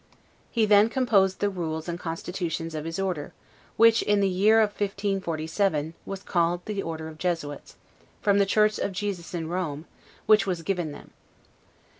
He then composed the rules and constitutions of his order; which, in the year 1547, was called the order of Jesuits, from the church of Jesus in Rome, which was given them.